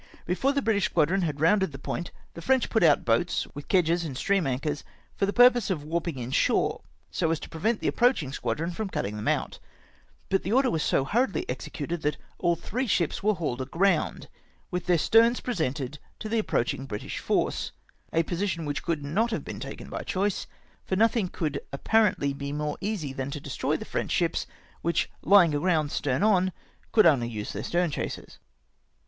Before the British squadron had rounded the point, the French out boats, with kedges and stream anchors, for the purpose of warping in shore, so as to prevent the approachuig squadron from cutting them out ; but the order was so hurriedly executed, that all three sliips were hauled aground, with theh sterns pre sented to the approaching British force ; a position which could not have been taken by choice, for nothing could apparently be more easy than to destroy the French sliips, which, lying aground stern on, could only use their stern chasers.